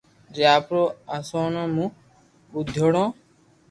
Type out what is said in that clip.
جي آپرو اسولو مون ٻوديوڙو